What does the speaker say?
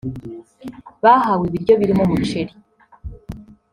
Bahawe ibiryo birimo umuceri